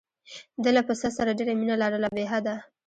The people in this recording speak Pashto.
ده له پسه سره ډېره مینه لرله بې حده.